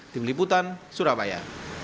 tim liputan surabaya